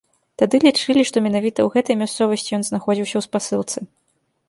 Тады лічылі, што менавіта ў гэтай мясцовасці ён знаходзіўся ў спасылцы.